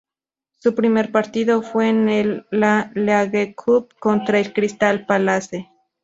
Su primer partido fue en la League Cup contra el Crystal Palace.